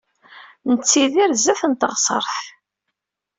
Nettiddir zdat n teɣsert.